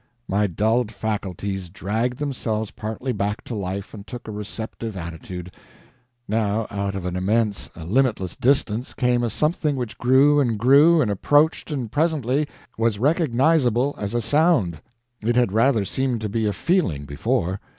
My dulled faculties dragged themselves partly back to life and took a receptive attitude. Now out of an immense, a limitless distance, came a something which grew and grew, and approached, and presently was recognizable as a sound it had rather seemed to be a feeling, before.